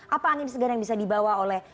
apa angin segar yang bisa dibawa oleh